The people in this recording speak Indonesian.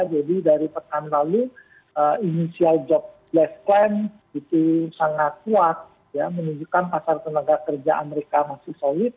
jadi dari pekan lalu inisial job left claim itu sangat kuat ya menunjukkan pasar tenaga kerja amerika masih solid